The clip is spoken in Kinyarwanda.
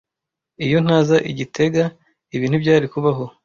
Iyo ntaza i gitega, ibi ntibyari kubaho.